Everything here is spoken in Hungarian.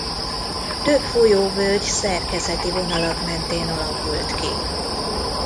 Több folyóvölgy szerkezeti vonalak mentén alakult ki.